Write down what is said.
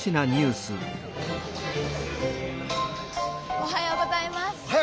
おはようございます！